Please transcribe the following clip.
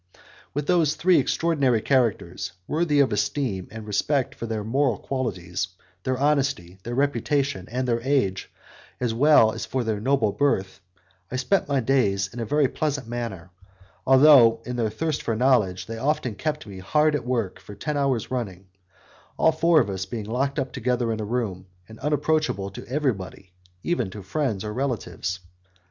With those three extraordinary characters, worthy of esteem and respect for their moral qualities, their honesty, their reputation, and their age, as well as for their noble birth, I spent my days in a very pleasant manner: although, in their thirst for knowledge, they often kept me hard at work for ten hours running, all four of us being locked up together in a room, and unapproachable to everybody, even to friends or relatives.